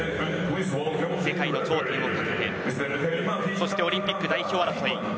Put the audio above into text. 世界の頂点をかけてそしてオリンピック代表争い